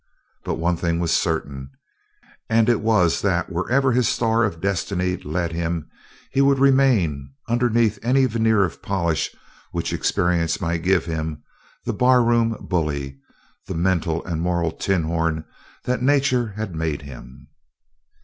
But one thing was certain, and it was that wherever his Star of Destiny led him he would remain, underneath any veneer of polish which experience might give him, the barroom bully, the mental and moral tinhorn that Nature had made him.